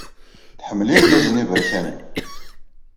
Tḥemmel irgazen iberkanen.